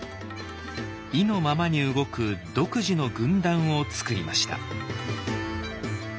意のままに動く独自の軍団をつくりました。